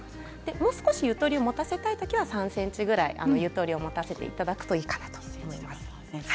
もう少しゆとりを持たせたい時は３ｃｍぐらいゆとりを持たせていただくといいかなと思います。